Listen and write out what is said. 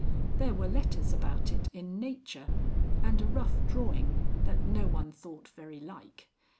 There were letters about it in Nature, and a rough drawing that no one thought very like.